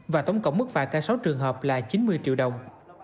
và tổng cộng mức phạt cả sáu trường hợp là chín mươi triệu đồng